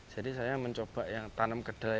jadi saya mencoba yang tanam kedelai